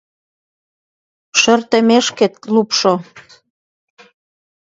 Шер теммешкет лупшо!